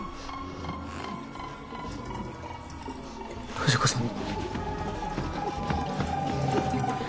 藤子さん。